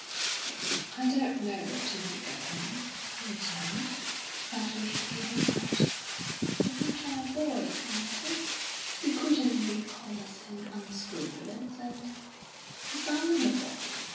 "I don't know what to make of him," he returned, sadly shaking his head. "It's not our boy, Frances; he couldn't be callous and unscrupulous, and dishonourable.